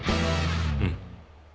うん。